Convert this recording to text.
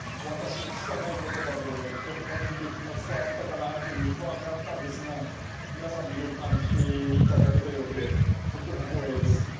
私のつたない言葉でどこまで魅力が伝わったかなという不安があったんですが皆さん魅力感じて頂けたようでとっても光栄です。